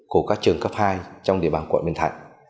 của các trường cấp hai trong địa bàn quận bình thạnh